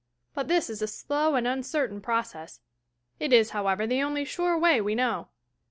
But this is a slow and uncertain process. It is, however, the only sure way we know.